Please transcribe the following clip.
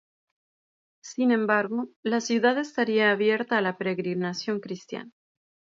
Sin embargo, la ciudad estaría abierta a la peregrinación cristiana.